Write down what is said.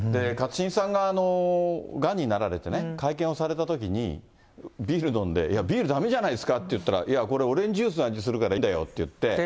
勝新さんががんになられてね、会見をされたときに、ビール飲んで、いや、ビールだめじゃないかって言ったら、いや、これオレンジジュースの味するからいいんだよって言って。